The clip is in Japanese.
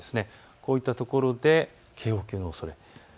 こういったところで警報級のおそれがある。